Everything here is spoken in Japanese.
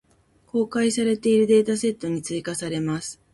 公開されているデータセットに追加せれます。